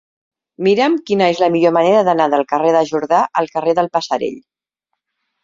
Mira'm quina és la millor manera d'anar del carrer de Jordà al carrer del Passerell.